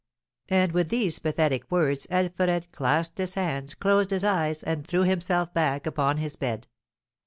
And with these pathetic words Alfred clasped his hands, closed his eyes, and threw himself back upon his bed.